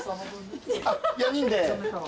４人で。